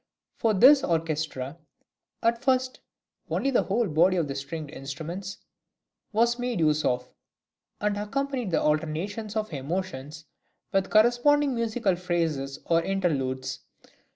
For this the orchestra (at first only the whole body of stringed instruments) was made use of, and accompanied the alternations of emotion with corresponding musical phrases or interludes.